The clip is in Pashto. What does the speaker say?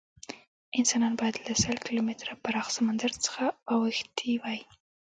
انسانان باید له سل کیلومتره پراخ سمندر څخه اوښتي وی.